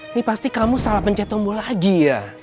ini pasti kamu salah pencet tumbuh lagi ya